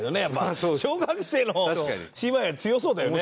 小学生の姉妹は強そうだよね。